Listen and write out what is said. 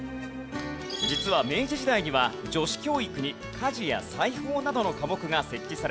実は明治時代には女子教育に家事や裁縫などの科目が設置されていました。